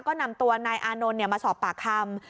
ก็นำตัวนายอานนท์มาสอบปากคำ